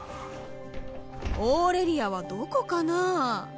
オーレリアはどこかなあ？